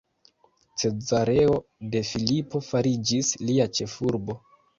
Cezareo de Filipo fariĝis lia ĉefurbo.